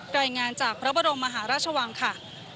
รายงานจากพระบรมมหาราชวังค่ะ